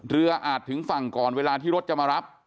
อาจถึงฝั่งก่อนเวลาที่รถจะมารับ